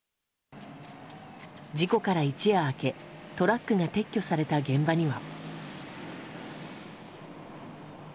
事故から一夜明けトラックが撤去された現場には。